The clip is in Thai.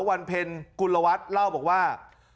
วันเพ็ญกุลวัฒน์เล่าบอกว่า